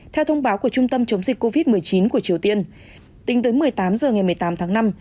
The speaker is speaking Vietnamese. theo thông báo của trung tâm chống dịch covid một mươi chín của triều tiên tính tới một mươi tám h ngày một mươi tám tháng năm